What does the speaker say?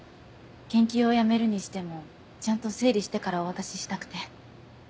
研究をやめるにしてもちゃんと整理してからお渡ししたくて。